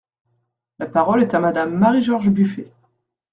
La parole est à Madame Marie-George Buffet.